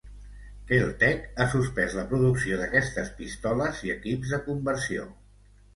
Kel-Tec ha suspès la producció d'aquestes pistoles i equips de conversió.